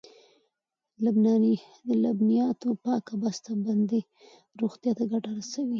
د لبنیاتو پاکه بسته بندي روغتیا ته ګټه رسوي.